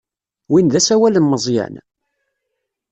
Win d asawal n Meẓyan?